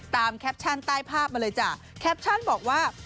แคปชั่นใต้ภาพมาเลยจ้ะแคปชั่นบอกว่า